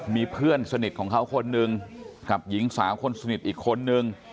มีเพื่อนสนิทของเขาคนหนึ่งกับหญิงสาวคนสนิทอีกคนนึง